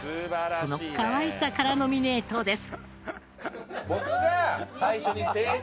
そのかわいさからノミネートです。